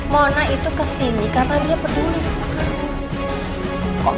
mona itu kesini karena dia peduli sama kamu